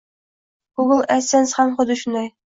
Google adsense ham huddi shunday